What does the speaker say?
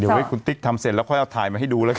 ไว้คุณติ๊กทำเสร็จแล้วค่อยเอาถ่ายมาให้ดูแล้วกัน